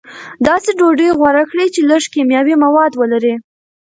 داسې ډوډۍ غوره کړئ چې لږ کیمیاوي مواد ولري.